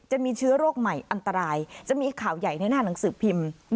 จะมีเชื้อโรคใหม่อันตรายจะมีข่าวใหญ่ในหน้าหนังสือพิมพ์